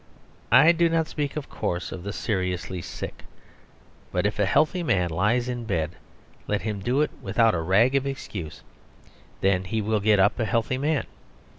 I do not speak, of course, of the seriously sick. But if a healthy man lies in bed, let him do it without a rag of excuse; then he will get up a healthy man.